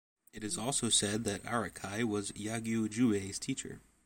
It is also said that Araki was Yagyu Jubei's teacher.